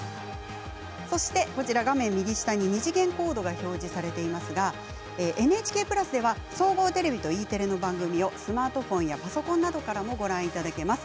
そして、画面右下に二次元コードが表示されていますがＮＨＫプラスでは総合テレビとＥテレの番組をスマートフォンやパソコンなどからもご覧いただけます。